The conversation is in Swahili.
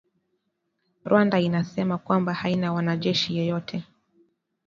Rwanda inasema kwamba haina mwanajeshi yeyote